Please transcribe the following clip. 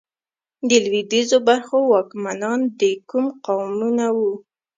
د لوېدیځو برخو واکمنان د کوم قامونه وو؟